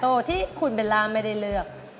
โต๊ะที่ขุ่นเบลล้าไม่ได้เลือก